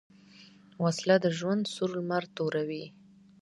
وسله د ژوند سور لمر توروي